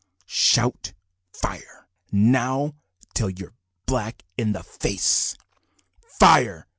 Shout fire! now till you're black in the face fire!